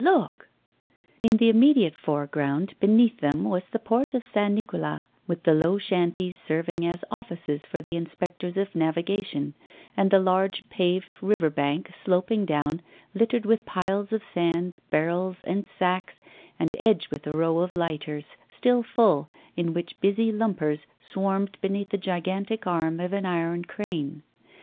Look!' In the immediate foreground beneath them was the port of St. Nicolas, with the low shanties serving as offices for the inspectors of navigation, and the large paved river bank sloping down, littered with piles of sand, barrels, and sacks, and edged with a row of lighters, still full, in which busy lumpers swarmed beneath the gigantic arm of an iron crane.